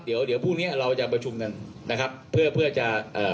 เดี๋ยวเดี๋ยวพรุ่งเนี้ยเราจะประชุมกันนะครับเพื่อเพื่อจะเอ่อ